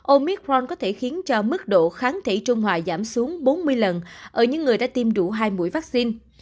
omitron có thể khiến cho mức độ kháng thể trung hòa giảm xuống bốn mươi lần ở những người đã tiêm đủ hai mũi vaccine